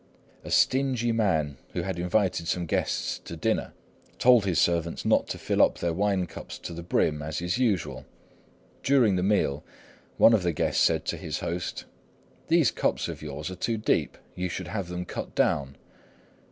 A stingy man, who had invited some guests to dinner, told his servant not to fill up their wine cups to the brim, as is usual. During the meal, one of the guests said to his host, "These cups of yours are too deep; you should have them cut down."